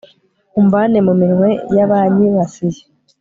umvane mu minwe y'abanyibasiye